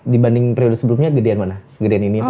dibanding periode sebelumnya gedean mana gedean ini apa gini